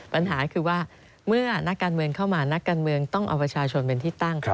ปัญหาคือว่าเมื่อนักการเมืองเข้ามานักการเมืองต้องเอาประชาชนเป็นที่ตั้ง